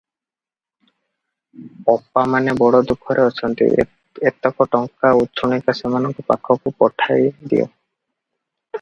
ଅପାମାନେ ବଡ଼ ଦୁଃଖରେ ଅଛନ୍ତି, ଏତକ ଟଙ୍କା ଉଛୁଣିକା ସେମାନଙ୍କ ପାଖକୁ ପଠାଇ ଦିଅ ।"